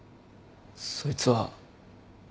そいつは。